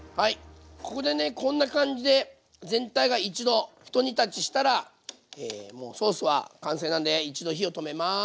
ここでねこんな感じで全体が一度ひと煮立ちしたらもうソースは完成なんで一度火を止めます。